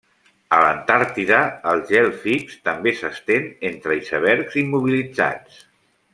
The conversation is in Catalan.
A l'Antàrtida, el gel fix també s'estén entre icebergs immobilitzats.